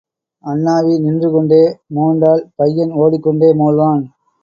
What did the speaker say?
அண்ணாவி நின்று கொண்டே மோண்டால் பையன் ஓடிக் கொண்டே மோள்வான்.